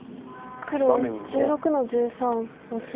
黒１６の十三オシ。